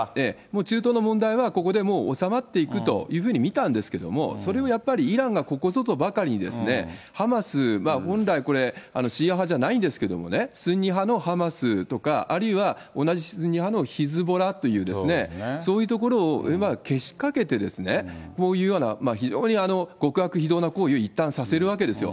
中東の問題はここでもう収まっていくというふうにみたんですけども、それをやっぱりイランがここぞとばかりにハマス、本来、これ、シーア派じゃないんですけどね、スンニ派のハマスとか、あるいは同じスンニ派のヒズボラというですね、そういうところをうまくけしかけて、こういうような非常に極悪非道な行為をいったんさせるわけですよ。